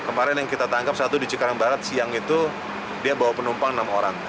kemarin yang kita tangkap satu di cikarang barat siang itu dia bawa penumpang enam orang